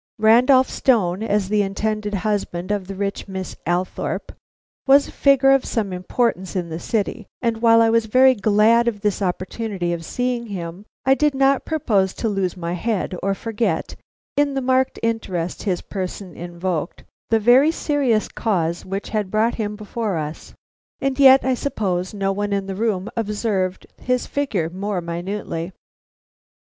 Randolph Stone, as the intended husband of the rich Miss Althorpe, was a figure of some importance in the city, and while I was very glad of this opportunity of seeing him, I did not propose to lose my head or forget, in the marked interest his person invoked, the very serious cause which had brought him before us. And yet I suppose no one in the room observed his figure more minutely.